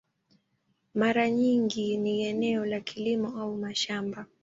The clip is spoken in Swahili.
Mara nyingi ni eneo la kilimo au mashamba.